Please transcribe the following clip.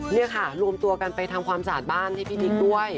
นี่ค่ะรวมตัวกันไปทำความสะอาดบ้านให้พี่บิ๊กด้วย